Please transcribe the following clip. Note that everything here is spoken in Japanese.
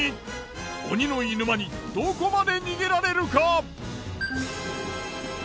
鬼のいぬ間にどこまで逃げられるか。